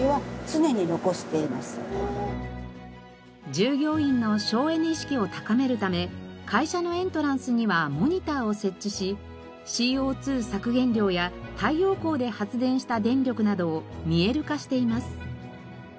従業員の省エネ意識を高めるため会社のエントランスにはモニターを設置しＣＯ２削減量や太陽光で発電した電力などを見える化しています。